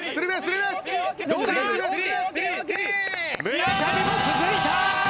村上も続いた！